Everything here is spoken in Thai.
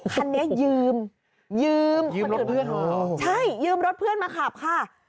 คันนี้ยืมยืมยืมรถเพื่อนมาขับค่ะ